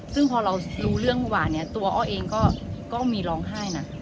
ซึ่งพอเรารู้เรื่องเมื่อวานเนี่ยตัวอ้อเองก็มีร้องไห้นะ